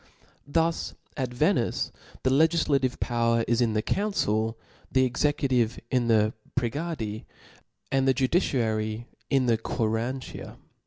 Thus at Venice the legtdative power is in the council^ the executive in the pregadi^ and the judiciary in the quarantia.